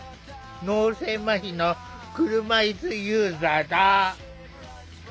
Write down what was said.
脳性まひの車いすユーザーだ。